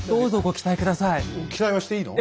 期待はしていいの？